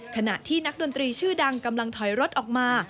ขณะที่นักดนตรีชื่อดังกำลังถอยรถออกมา